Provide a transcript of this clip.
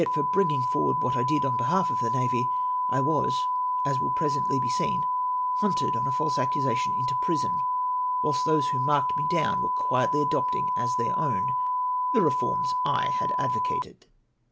for bringing forward what I tlid on behalf of the navy, I was, as will presently be seen, hunted on a false ac cusation into prison, whilst those who marked me down were quietly adopting as their OAvn the reforms I had advocated I !